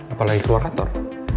apalagi keluar kantor